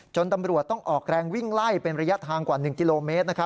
ตำรวจต้องออกแรงวิ่งไล่เป็นระยะทางกว่า๑กิโลเมตร